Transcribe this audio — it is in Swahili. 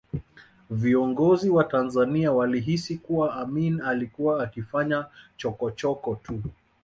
Viongozi wa Tanzania walihisi kuwa Amin alikuwa akifanya chokochoko tu